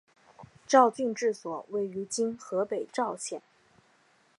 赵郡治所位于今河北赵县。